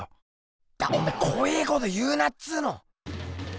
だっおめぇこええこと言うなっつうの！